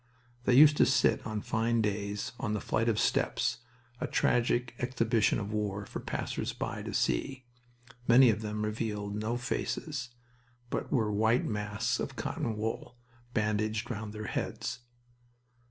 They used to sit, on fine days, on the flight of steps, a tragic exhibition of war for passers by to see. Many of them revealed no faces, but were white masks of cotton wool, bandaged round their heads.